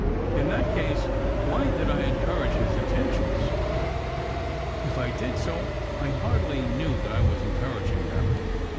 " In that case, why did I encourage his attentions P If I did so, I hardly knew that 1 was encouraging them.